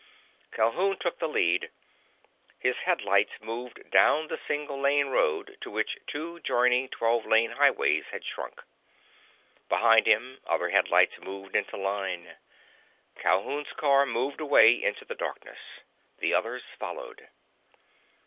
Calhoun took the lead. His headlights moved down the single lane road to which two joining twelve lane highways had shrunk. Behind him, other headlights moved into line. Calhoun's car moved away into the darkness. The others followed.